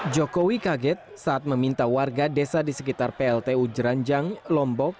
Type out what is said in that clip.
jokowi kaget saat meminta warga desa di sekitar pltu jeranjang lombok